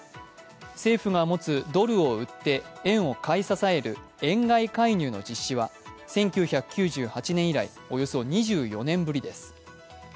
政府が持つドルを売って円を買い支える円買い介入の実施は１９９８年以来、およそ２４年ぶりです。